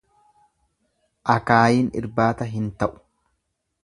Akaayiin irbaata hin ta'u.